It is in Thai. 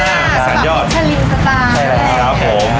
ราดนาสับปิ๊กชะลิมสตาร์